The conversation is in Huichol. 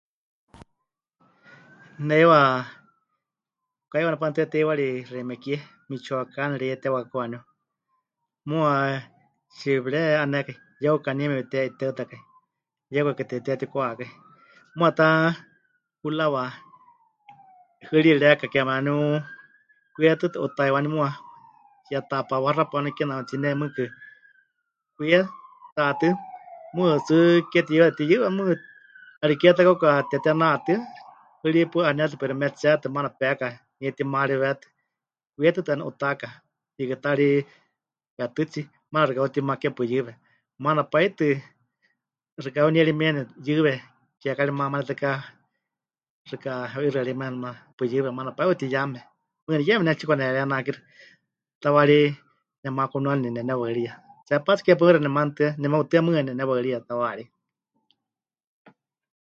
Ne heiwa hukaiwá napanutɨ́a teiwari xeíme kie, Michoacán reyetewakaku waaníu, muuwa tsipɨre'anékai, yeuka nie mepɨte'iteɨtakai, yeukakɨ tepɨtetikwa'akai, muuwa ta hurawa hɨri reka, kename waaníu kwie tɨtɨ 'utai waaníu muuwa, yetaapa waxapa waníu kename tine mɨɨkɨ kwie taatɨ́, mɨɨkɨ tsɨ ke tiyɨanetɨ mɨtiyɨwe mɨɨkɨ, 'ariké ta kauka teté natɨ́a, hɨri hepaɨ 'anétɨ pero metsétɨ maana peka, nie timariwétɨ, kwie tɨtɨ waaníu 'utaaka, hiikɨ ta ri retɨtsi, maana xɨka heutimake pɨyɨwe, maana pai tɨ xɨka heunierimieni pɨyɨwe, kiekari mamanetɨká xɨka heu'ixɨarimieni maana pɨyɨwe, maana pai 'utiyame, mɨɨkɨ yeme ne tsipɨkanerenakixɨ, tawaarí nemakunuani nepɨnewaɨriya, tseepá tsɨ ke paɨmexa nemanutɨa, nemeutɨ́a, mɨɨkɨ nepɨnewaɨriya tawarí.